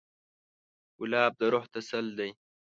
ګلاب د روح تسل دی.